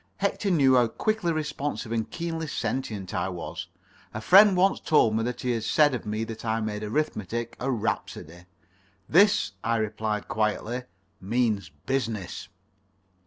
Hector knew how quickly responsive and keenly sentient I was. A friend once told me that he had said of me that I made arithmetic a rhapsody. "This," I replied quietly, "means business."